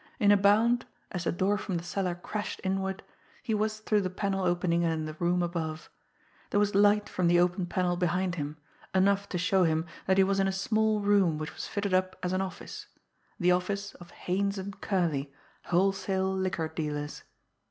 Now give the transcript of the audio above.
In a bound, as the door from the cellar crashed inward, he was through the panel opening and in the room above. There was light from the open panel behind him enough to show him that he was in a small room which was fitted up as an office the office of Haines & Curley, wholesale liquor dealers!